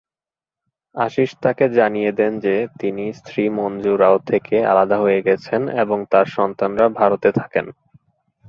আশীষ তাকে জানিয়ে দেন যে তিনি স্ত্রী মঞ্জু রাও থেকে আলাদা হয়ে গেছেন এবং তাঁর সন্তানরা ভারতে থাকেন।